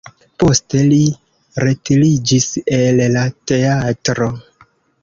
Poste li retiriĝis el la teatro.